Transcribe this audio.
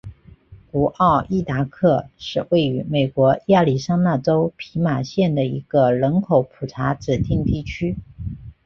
古奥伊达克是位于美国亚利桑那州皮马县的一个人口普查指定地区。